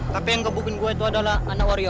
tapi yang gebukin gua itu adalah anak wario